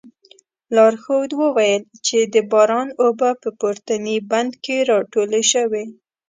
لارښود وویل چې د باران اوبه په پورتني بند کې راټولې شوې.